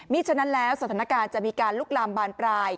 ฉะนั้นแล้วสถานการณ์จะมีการลุกลามบานปลาย